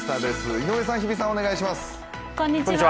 井上さん、日比さん、お願いします。